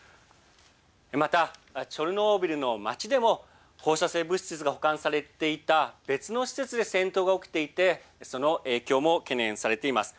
またチョルノービリの町でも放射性物質が保管されていた別の施設で戦闘が起きていてその影響も懸念されています。